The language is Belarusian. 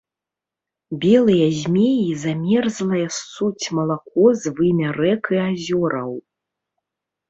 Белыя змеі замерзлае ссуць малако з вымя рэк і азёраў.